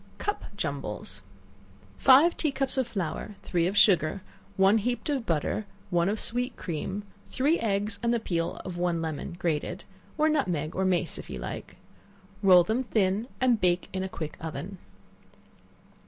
Cup Jumbles. Five tea cups of flour, three of sugar, one heaped of butter, one of sweet cream, three eggs and the peel of one lemon grated, or nutmeg, or mace if you like; roll them thin, and bake in a quick oven.